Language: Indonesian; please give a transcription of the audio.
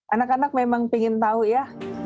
anak anak memang pengen tahu ya